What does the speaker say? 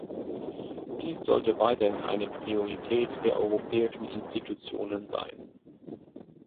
Dies sollte weiterhin eine Priorität der europäischen Institutionen sein.